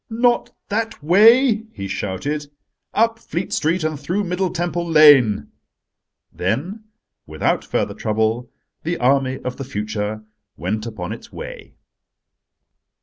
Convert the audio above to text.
"Not that way," he shouted: "up Fleet Street and through Middle Temple Lane." Then without further trouble the army of the future went upon its way.